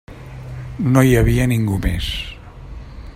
No hi havia ningú més.